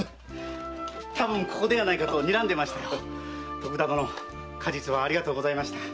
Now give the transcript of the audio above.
徳田殿過日はありがとうございました。